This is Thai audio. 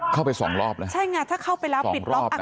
เข้าไปสองรอบเหรอสองรอบนะใช่ไงถ้าเข้าไปแล้วปิดล็อก